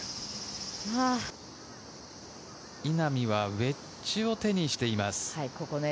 稲見はウエッジを手にしています。